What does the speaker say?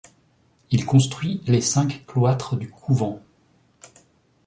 Il construit les cinq cloîtres du couvent.